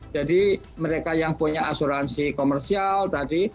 jadi mereka yang punya asuransi komersial tadi